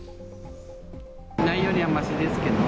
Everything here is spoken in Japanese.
ないよりはましですけど。